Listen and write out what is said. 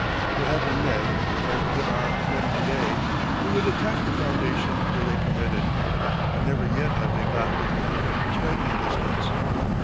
There have been men, and there are men to day, who would attack the foundation were they permitted; but never yet have they got within effective striking distance.